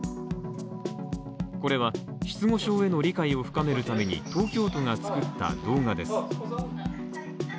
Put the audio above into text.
これは失語症への理解を深めるために東京都が作った動画です。